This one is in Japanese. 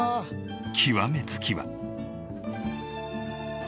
極めつきは。